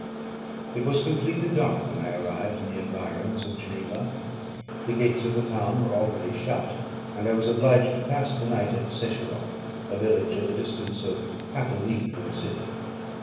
It was completely dark when I arrived in the environs of Geneva; the gates of the town were already shut; and I was obliged to pass the night at Secheron, a village at the distance of half a league from the city.